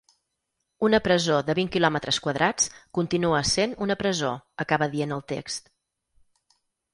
Una presó de vint quilòmetres quadrats continua essent una presó, acaba dient el text.